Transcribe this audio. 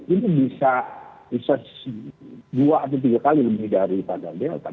ini bisa dua atau tiga kali lebih dari pada delta